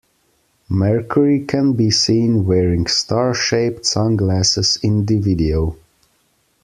Mercury can be seen wearing star-shaped sunglasses in the video.